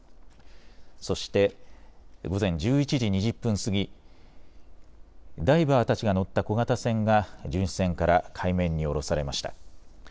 そして午前１１時２０分過ぎ、ダイバーたちが乗った小型船が巡視船から海面に降ろされました。